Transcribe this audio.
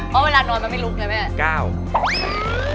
เพราะเวลานอนมันไม่ลุกใช่ไหม